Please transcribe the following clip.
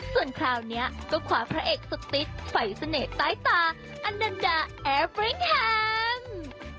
ส่วนคราวนี้ก็ขวาพระเอกซุติสไฝเสน่ห์ใต้ตาอันดันดาแอร์ฟริงแฮนด์